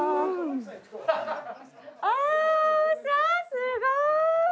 すごーい！